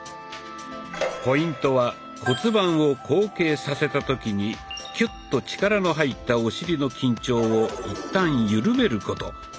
ポイントは骨盤を後傾させた時にキュッと力の入ったお尻の緊張をいったんゆるめること。